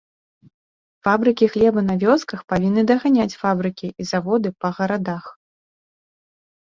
Фабрыкі хлеба на вёсках павінны даганяць фабрыкі і заводы па гарадах.